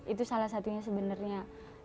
itu salah satunya sebenarnya